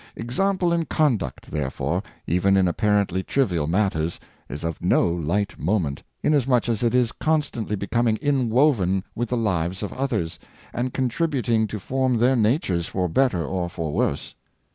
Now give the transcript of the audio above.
Example in conduct, therefore, even in apparently trivial matters, is of no light moment, inasmuch as it' is constantly becoming inwoven with the lives of others, and contributing to form their natures for better or for worse.